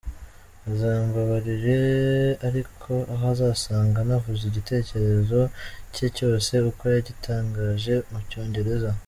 Azambabarire ariko aho azasanga ntavuze igitekerezo cye cyose uko yagitangaje mu Cyongereza: